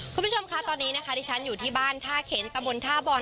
คุณผู้ชมคะตอนนี้นะคะที่ฉันอยู่ที่บ้านท่าเข็นตะบนท่าบอล